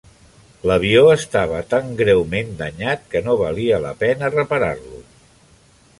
L'avió estava tan greument danyat que no valia la pena reparar-lo.